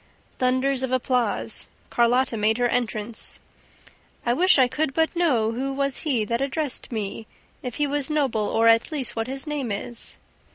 Thunders of applause. Carlotta made her entrance. "I wish I could but know who was he That addressed me, If he was noble, or, at least, what his name is